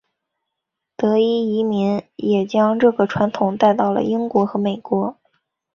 德裔移民也将这个传统带到了英国和美国。